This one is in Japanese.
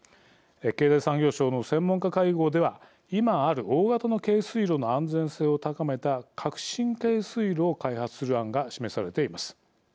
経済産業省の専門家会合では今ある大型の軽水炉の安全性を高めた革新軽水炉を開発する案が示されています。